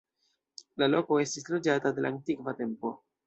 La loko estis loĝata de la antikva tempo.